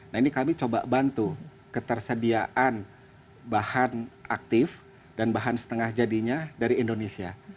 nah ini kami coba bantu ketersediaan bahan aktif dan bahan setengah jadinya dari indonesia